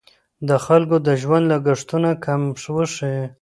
د خلکو د ژوند لګښتونه کم وښیي.